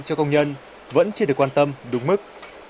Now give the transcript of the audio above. cho công nhân vẫn chưa được quan tâm đúng mức